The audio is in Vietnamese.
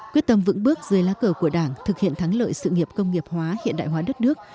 quyết tâm vững bước dưới lá cờ của đảng thực hiện thắng lợi sự nghiệp công nghiệp hóa hiện đại hóa đất nước